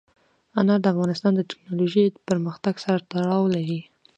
انار د افغانستان د تکنالوژۍ پرمختګ سره تړاو لري.